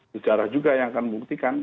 bisa boleh disaksikan